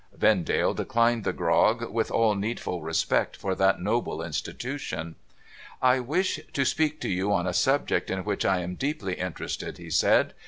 Vendale declined the grog with all needful respect for that noble institution. ' I wish to speak to you on a subject in which I am deeply interested,' he said.